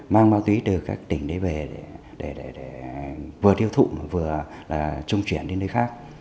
mang bao túy từ các tỉnh đến về để vừa thiêu thụ vừa trung chuyển đến nơi khác